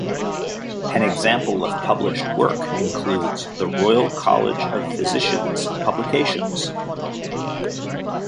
An example of published work includes the Royal College of Physicians publications.